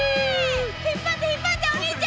引っ張って引っ張ってお兄ちゃん。